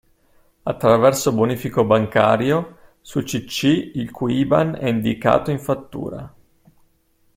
Attraverso bonifico bancario sul c/c il cui IBAN è indicato in fattura.